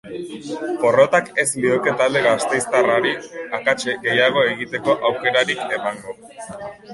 Porrotak ez lioke talde gasteiztarrari akats gehiago egiteko aukerarik emango.